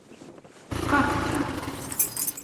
Как это?